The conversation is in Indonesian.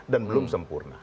dan belum sempurna